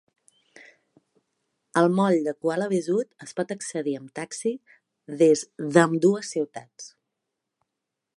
Al moll de Kuala Besut es pot accedir amb taxi des d'ambdues ciutats.